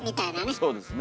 そうですね。